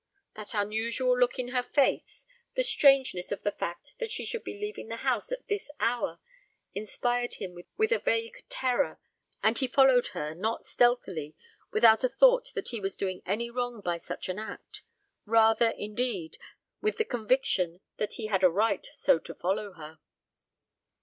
That unusual look in her face, the strangeness of the fact that she should be leaving the house at this hour, inspired him with a vague terror, and he followed her, not stealthily, without a thought that he was doing any wrong by such an act rather, indeed, with the conviction that he had a right so to follow her.